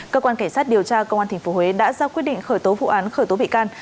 cơ quan cảnh sát điều tra công an tp huế đã ra quyết định khởi tố vụ án khởi tố bị can